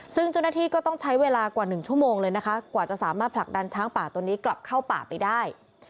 ซึ่งเจ้าหน้าที่ก็ต้องใช้เวลากว่า๑ชั่วโมงเลยนะคะกว่าจะสามารถผลักดันช้างป่าตัวนี้กลับเข้าป่าไปได้